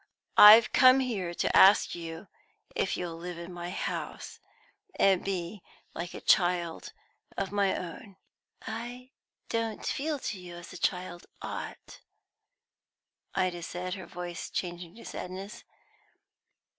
I've come here to ask you if you'll live in my house, and be like a child of my own." "I don't feel to you as a child ought," Ida said, her voice changing to sadness.